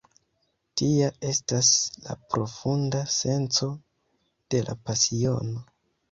Tia estas la profunda senco de la pasiono.